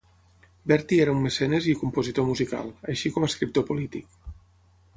Bertie era un mecenes i compositor musical, així com escriptor polític.